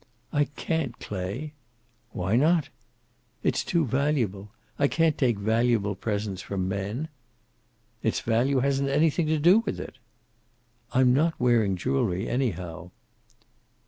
"I can't Clay!" "Why not?" "It's too valuable. I can't take valuable presents from men." "It's value hasn't anything to do with it." "I'm not wearing jewelry, anyhow."